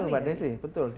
betul pak desi betul